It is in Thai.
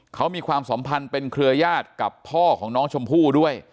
เขามีความสัมพันธ์เป็นเครือยาศกับพ่อของน้องชมพู่ด้วย